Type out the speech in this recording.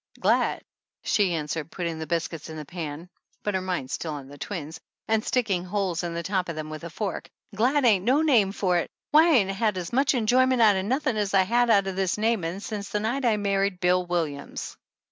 "Glad !" she answered, putting the biscuits in the pan (but her mind still on the twins), and sticking holes in the top of them with a fork, "glad ain't no name for it! Why, I ain't had as much enjoyment out o' nothin' as I had out o' this namin' sence the night I married Bill Williams!"